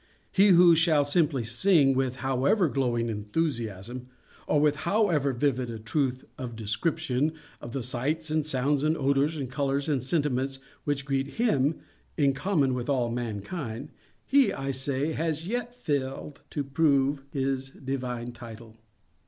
He who shall simply sing, with however glowing enthusiasm, or with however vivid a truth of description, of the sights, and sounds, and odors, and colors, and sentiments which greet _him _in common with all mankind—he, I say, has yet failed to prove his divine title.